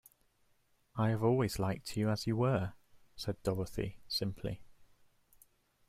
"I have always liked you as you were," said Dorothy, simply.